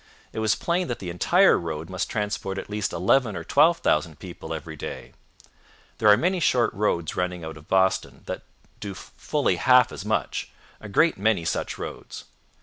It was plain that the entire road must transport at least eleven or twelve thousand people every day. There are many short roads running out of Boston that do fully half as much; a great many such roads.